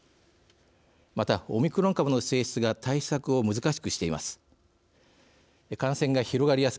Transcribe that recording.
また、オミクロン株の性質が対策を難しくしています。